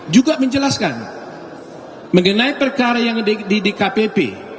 juga menjelaskan mengenai perkara yang ada di dkpp